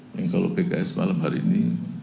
yang kalau pks malam hari ini